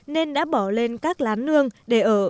nên đã bỏ lên các lán nương để ở